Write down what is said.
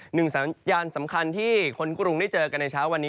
หนึ่งสัญญาณสำคัญที่คนกรุงได้เจอกันในเช้าวันนี้